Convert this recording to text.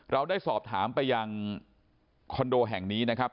เราได้สอบถามไปยังคอนโดแห่งนี้นะครับ